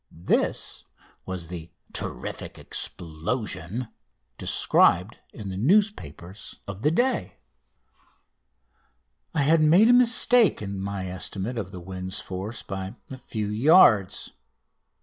This was the "terrific explosion" described in the newspapers of the day. I had made a mistake in my estimate of the wind's force by a few yards.